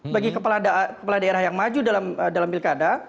bagi kepala daerah yang maju dalam pilkada